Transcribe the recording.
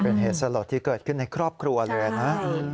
เป็นเหตุสลดที่เกิดขึ้นในครอบครัวเลยนะ